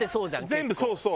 全部そうそう。